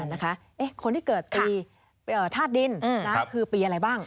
อ่านะคะคนที่เกิดปีทาสดินคือปีอะไรบ้าง